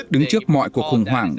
đứng trước mọi cuộc khủng hoảng